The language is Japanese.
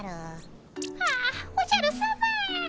あっおじゃるさま。